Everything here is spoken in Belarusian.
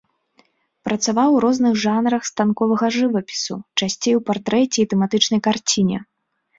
Працаваў у розных жанрах станковага жывапісу, часцей у партрэце і тэматычнай карціне.